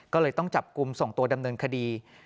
ก็เลยต้องจับกลุ่มส่งตัวดำเนินคดี